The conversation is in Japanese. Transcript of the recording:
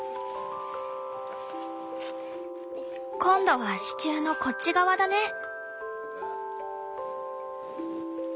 今度は支柱のこっち側だね。